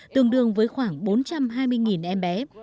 tương đương với khoảng bốn trăm hai mươi em bé